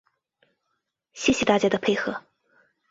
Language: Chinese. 谢谢大家的配合